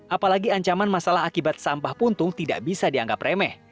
apalagi ancaman masalah akibat sampah puntung tidak bisa dianggap remeh